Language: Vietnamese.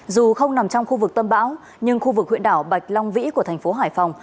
dù không nằm trong khu vực tâm bão nhưng khu vực huyện đảo bạch long vĩ của thành phố hải phòng